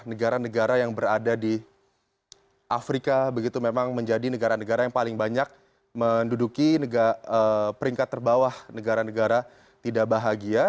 negara negara yang berada di afrika begitu memang menjadi negara negara yang paling banyak menduduki peringkat terbawah negara negara tidak bahagia